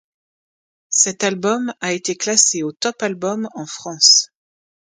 Cet album a été classé au top album en France.